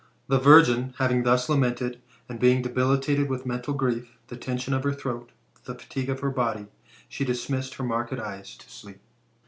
The virgin having thus lamented, and being debilitated widi mental grief, the tension of her throat, and fatigue of body, she dismissed her marcid eyes to sleep.